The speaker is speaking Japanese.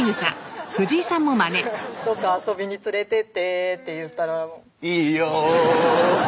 「どっか遊びに連れてって」って言ったら「いいよ」